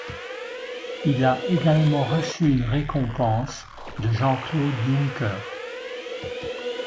Il a également reçu une récompense de Jean-Claude Juncker.